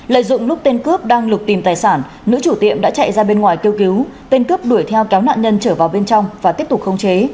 lợi dụng lúc tên cướp đang lục tìm tài sản nữ chủ tiệm đã chạy ra bên ngoài kêu cứu tên cướp đuổi theo kéo nạn nhân trở vào bên trong và tiếp tục khống chế